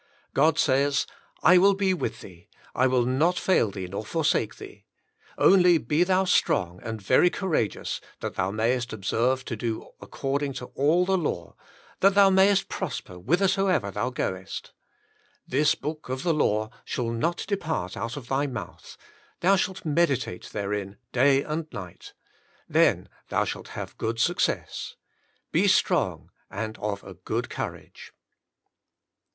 God says, " I will be with thee ; I will not fail nor forsake thee. Only be thou strong and very courageous that thou mayest observe to do according to all the law ... that thou mayest prosper whither soever thou goest. This book of the law shall not depart out of thy mouth ; Thou Shalt Medi tate Therein Day and Night ... Then thou shalt have good success. ... Be strong and of a good courage.'